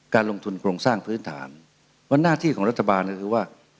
การลงทุนโครงสร้างพื้นฐานว่าหน้าที่ของรัฐบาลก็คือว่า